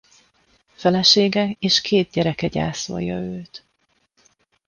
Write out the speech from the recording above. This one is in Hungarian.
Felesége és két gyereke gyászolja őt.